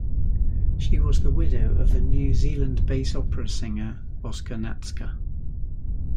She was the widow of the New Zealand bass opera singer Oscar Natzka.